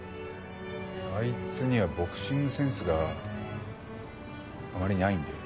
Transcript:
あいつにはボクシングセンスがあまりないんで。